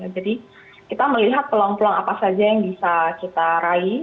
jadi kita melihat peluang peluang apa saja yang bisa kita raih